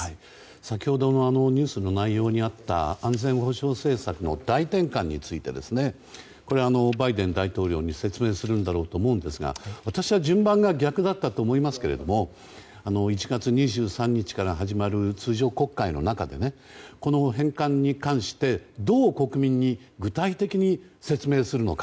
先ほどのニュースの内容にあった安全保障政策の大転換についてバイデン大統領に説明するんだろうと思うんですが私は順番が逆だったと思いますけれども１月２３日から始まる通常国会の中でこの転換に関して、どう国民に具体的に説明するのか。